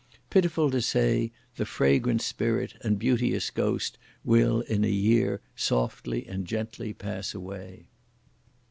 Pitiful to say, the fragrant spirit and beauteous ghost will in a year softly and gently pass away!